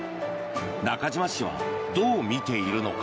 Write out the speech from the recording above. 中島氏はどう見ているのか。